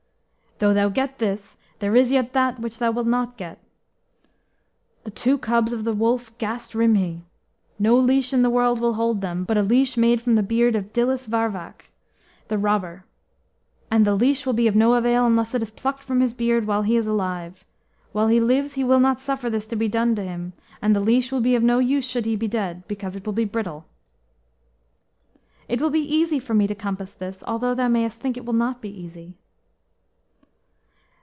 "Though thou get this, there is yet that which thou wilt not get the two cubs of the wolf Gast Rhymhi; no leash in the world will hold them, but a leash made from the beard of Dillus Varwawc, the robber. And the leash will be of no avail unless it be plucked from his beard while he is alive. While he lives he will not suffer this to be done to him, and the leash will be of no use should he be dead, because it will be brittle." "It will be easy for me to compass this, although thou mayest think it will not be easy."